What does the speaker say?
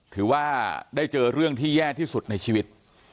ถือว่าได้เจอเรื่องที่แย่ที่สุดในชีวิต